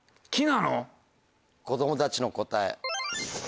子供たちの答え。